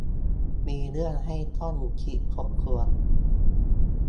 มีเรื่องให้ต้องคิดทบทวน